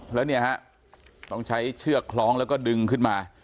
แล้วเนี่ยฮะต้องใช้เชือกคล้องแล้วก็ดึงขึ้นมา